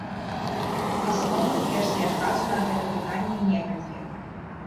Асноўных версій адказу на гэта пытанне некалькі.